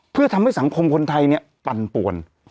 เพื่อทำให้สังคมคนไทยเนี่ยปั่นป่วน